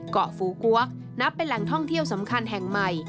ฟูกวกนับเป็นแหล่งท่องเที่ยวสำคัญแห่งใหม่